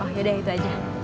oh ya udah itu aja